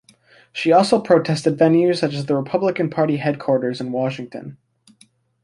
She also protested venues such as the Republican Party headquarters in Washington.